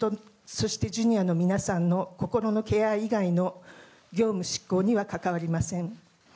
そして、Ｊｒ．の皆さんの心のケア以外の業務執行には関わりません。